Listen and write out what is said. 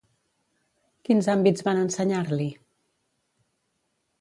Quins àmbits van ensenyar-li?